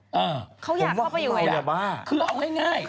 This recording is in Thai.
เออเขาอยากเข้าไปอยู่ไงผมว่าเข้ามาวแบบว่าคือเอาให้ง่าย